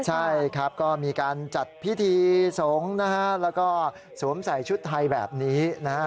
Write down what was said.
ใช่ครับก็มีการจัดพิธีสงฆ์นะฮะแล้วก็สวมใส่ชุดไทยแบบนี้นะฮะ